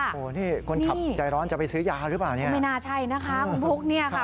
โอ้โหนี่คนขับใจร้อนจะไปซื้อยาหรือเปล่าเนี่ยไม่น่าใช่นะคะคุณบุ๊กเนี่ยค่ะ